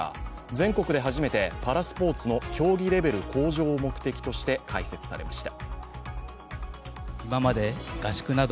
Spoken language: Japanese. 全国で初めてパラスポーツの競技レベル向上を目的として開設されました。